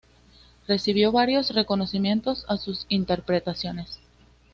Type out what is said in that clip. Recibió varios reconocimientos a sus interpretaciones.